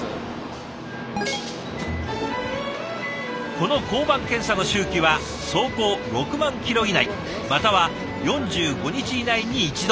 この交番検査の周期は走行６万キロ以内または４５日以内に１度。